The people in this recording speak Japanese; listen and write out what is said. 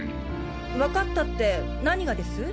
分かったって何がです？